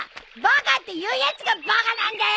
バカって言うやつがバカなんだよ！